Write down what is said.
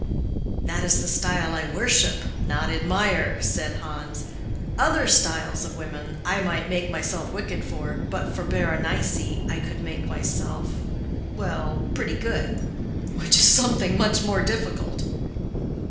"That is the style I worship—not admire," said Hans. "Other styles of women I might make myself wicked for, but for Berenice I could make myself—well, pretty good, which is something much more difficult."